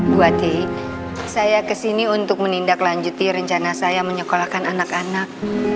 buati saya kesini untuk menindaklanjuti rencana saya menyekolahkan anak anak